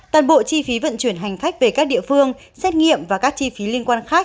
toàn bộ chi phí vận chuyển hành khách về các địa phương xét nghiệm và các chi phí liên quan khác